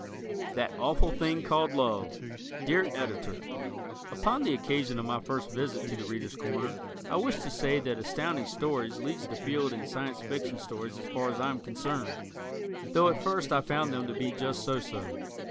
That Awful Thing Called Love Dear Editor: Upon the occasion of my first visit to "The Readers' Corner," I wish to say that Astounding Stories leads the field in Science Fiction stories as far as I am concerned, though at first I found them to be just so so.